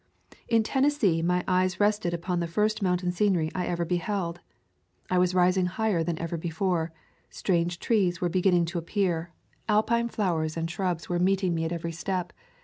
In Tennessee my eyes rested upon the first mountain scenery I ever beheld. I was rising higher than ever before; strange trees were be ginning to appear; alpine flowers and shrubs [ 174 ] To California were meeting me at every step.